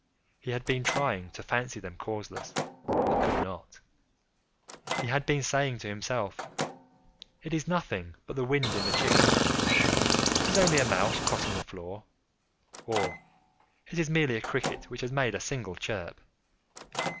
He had been trying to fancy them causeless, but could not. He had been saying to himself—"It is nothing but the wind in the chimney—it is only a mouse crossing the floor," or "It is merely a cricket which has made a single chirp."